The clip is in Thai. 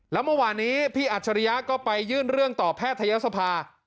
แล้วเมื่อวานนี้พี่อัจฉริยะก็ไปยื่นเรื่องต่อแพทยศภา